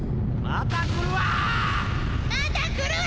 ・また来るわ！